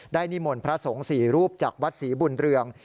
นิมนต์พระสงฆ์๔รูปจากวัดศรีบุญเรือง